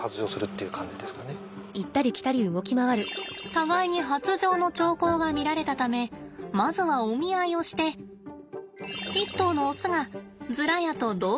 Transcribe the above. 互いに発情の兆候が見られたためまずはお見合いをして１頭のオスがズラヤと同居を始めました。